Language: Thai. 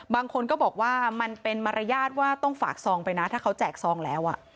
บางคนก็บอกว่ามันเป็นมารยาทว่าต้องฝากซองไปนะถ้าเขาแจกซองแล้ว